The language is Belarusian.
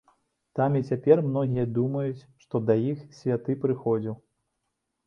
Там і цяпер многія думаюць, што да іх святы прыходзіў.